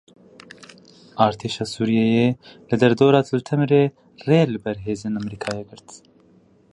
Artêşa Sûriyeyê li derdora Til Temirê rê li ber hêzên Amerîkayê girt.